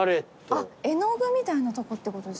絵の具みたいなとこってことですか？